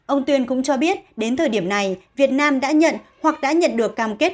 ông tuyên cũng cho biết đến thời điểm này việt nam đã nhận hoặc đã nhận được cam kết